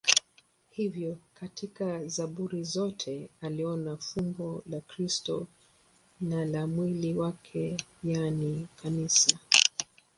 Hivyo katika Zaburi zote aliona fumbo la Kristo na la mwili wake, yaani Kanisa.